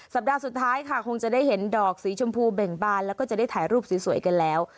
สัปดาห์สุดท้ายค่ะคงจะได้เห็นดอกสีชมพูเบ่งบานแล้วก็จะได้ถ่ายรูปสวยกันแล้ว